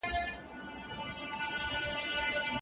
د نقيب د سترگو تور دې داسې تور وي